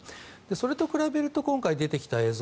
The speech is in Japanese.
それと比べると今回出てきた映像